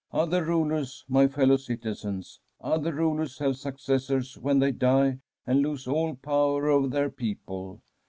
Other rulers, my fellow citizens, other rulers have suc cessors when they die, and lose all power over their people.